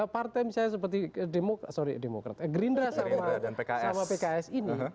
partai misalnya seperti gerindra sama pks ini